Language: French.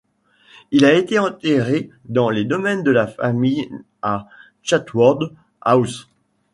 Il a été enterré dans les domaines de sa famille, à Chatsworth House.